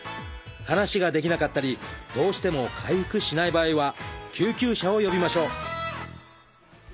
話ができなかったりどうしても回復しない場合は救急車を呼びましょう。